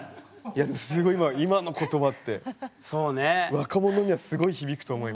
すごい今の言葉って若者にはすごい響くと思います。